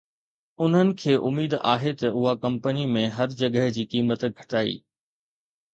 انهن کي اميد آهي ته اها ڪمپني ۾ هر جڳهه جي قيمت گھٽائي